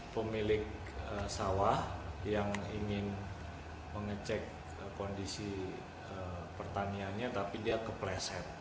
pemilik sawah yang ingin mengecek kondisi pertaniannya tapi dia kepleset